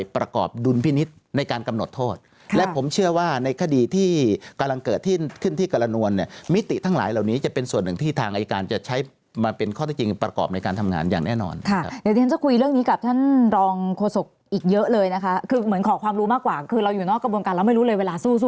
ประกอบดุลพินิษฐ์ในการกำหนดโทษและผมเชื่อว่าในคดีที่กำลังเกิดขึ้นที่กรณวลเนี่ยมิติทั้งหลายเหล่านี้จะเป็นส่วนหนึ่งที่ทางอายการจะใช้มาเป็นข้อที่จริงประกอบในการทำงานอย่างแน่นอนค่ะเดี๋ยวที่ฉันจะคุยเรื่องนี้กับท่านรองโฆษกอีกเยอะเลยนะคะคือเหมือนขอความรู้มากกว่าคือเราอยู่นอกกระบวนการเราไม่รู้เลยเวลาสู้